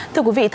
thưa quý vị